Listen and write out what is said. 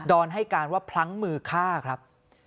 อนให้การว่าพลั้งมือฆ่าครับ